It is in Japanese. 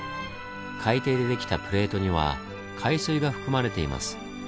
海底で出来たプレートには海水が含まれています。